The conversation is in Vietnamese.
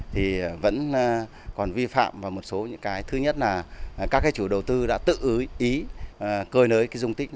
thì vẫn còn vi phạm và một số những cái thứ nhất là các cái chủ đầu tư đã tự ý cơi nới cái dung tích